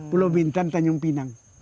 pulau bintan tanjung pinang